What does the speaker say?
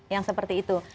yang seperti itu